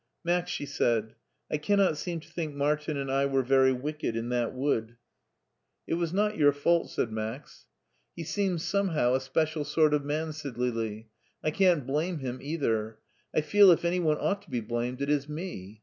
" Max," she said, " I cannot seem to think Martin and I were very wicked in that wood" 72 MARTIN SCH(jLER it It was not your fault," said Max. He seems somehow a special sort of man/* Said Lili ;I can't blame him either. I feel if any one ought to be blamed it is me.